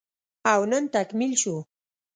او نن تکميل شو